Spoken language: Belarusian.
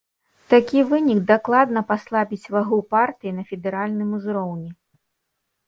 Такі вынік дакладна паслабіць вагу партыі на федэральным узроўні.